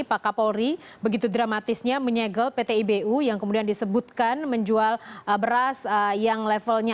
pak kapolri begitu dramatisnya menyegel pt ibu yang kemudian disebutkan menjual beras yang levelnya